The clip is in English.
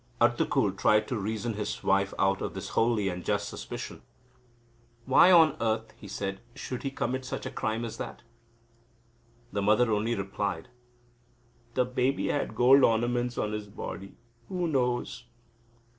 Artukul tried to reason his wife out of this wholly unjust suspicion: "Why on earth," he said, "should he commit such a crime as that?" The mother only replied: "The baby had gold ornaments on his body. Who knows?"